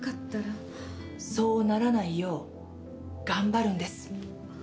そうならないよう頑張るんです。